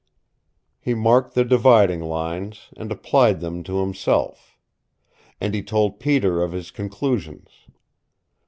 He marked the dividing lines, and applied them to himself. And he told Peter of his conclusions.